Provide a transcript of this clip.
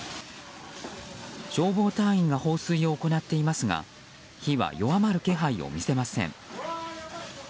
消防隊員が放水を行っていますが火は弱まる気配を見せません。